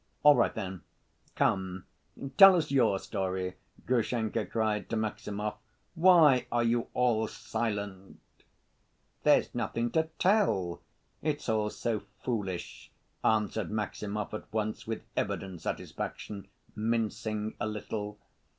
"All right then. Come, tell us your story," Grushenka cried to Maximov. "Why are you all silent?" "There's nothing to tell, it's all so foolish," answered Maximov at once, with evident satisfaction, mincing a little.